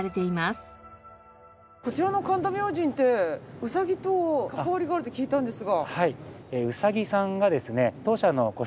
こちらの神田明神ってうさぎと関わりがあるって聞いたんですが。